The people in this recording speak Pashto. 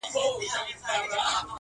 بلبلو باندي اوري آفتونه لکه غشي-